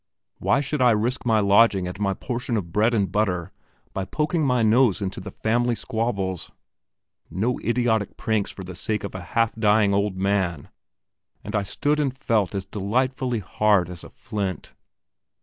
Why should I risk my lodging and my portion of bread and butter by poking my nose into the family squabbles? No idiotic pranks for the sake of a half dying old man, and I stood and felt as delightfully hard as a flint.